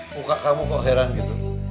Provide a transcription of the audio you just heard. muka kamu kok heran gitu